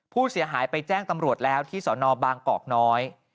ผู้เสียหายไปแจ้งตำรวจแล้วที่สนบางกอกน้อย